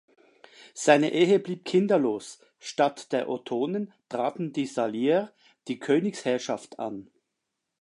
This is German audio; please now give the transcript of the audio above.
Seine Ehe blieb kinderlos, statt der Ottonen traten die Salier die Königsherrschaft an.